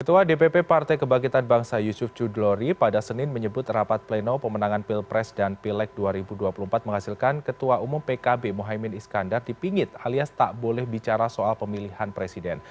ketua dpp partai kebangkitan bangsa yusuf judlori pada senin menyebut rapat pleno pemenangan pilpres dan pileg dua ribu dua puluh empat menghasilkan ketua umum pkb mohaimin iskandar dipingit alias tak boleh bicara soal pemilihan presiden